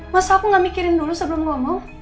masa aku gak mikirin dulu sebelum ngomong